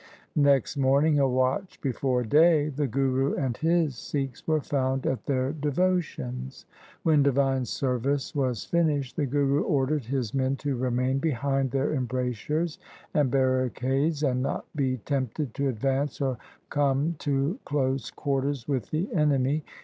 Next morning a watch before day the Guru and his Sikhs were found at their devotions. When divine service was finished, the Guru ordered his men to remain behind their embrasures and barri cades, and not be tempted to advance or come to close quarters with the enemy.